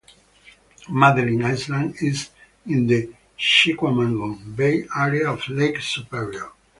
Madeline Island is in the Chequamegon Bay area of Lake Superior.